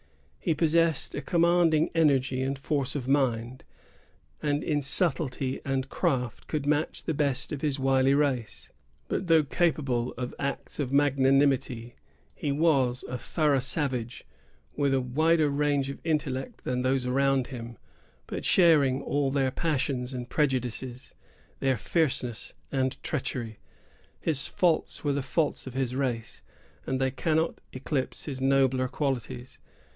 He possessed a commanding energy and force of mind, and in subtlety and craft could match the best of his wily race. But, though capable of acts of magnanimity, he was a thorough savage, with a wider range of intellect than those around him, but sharing all their passions and prejudices, their fierceness and treachery. His faults were the faults of his race; and they cannot eclipse his nobler qualities.